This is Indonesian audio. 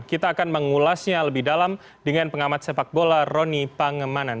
kita akan mengulasnya lebih dalam dengan pengamat sepak bola roni pangemanan